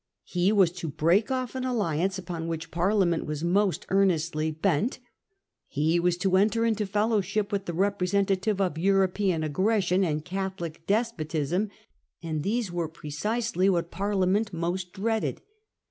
He was to break off an alliance upon which Parliament was most earnestly bent ; he was to enter into fellowship with the representative of European aggression and Catholic des potism, and these were precisely what Parliament most dreaded.